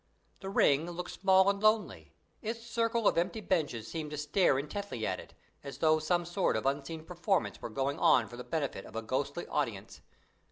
The ring looked small and lonely; its circle of empty benches seemed to stare intently at it, as though some sort of unseen performance were going on for the benefit of a ghostly audience.